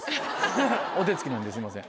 お手付きなんですいません。